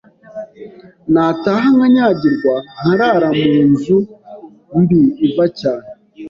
nataha nkanyagirwa, nkarara mu nzu mbi iva cyane